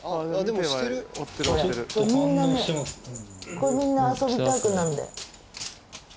これみんな遊びたくなるんだよ。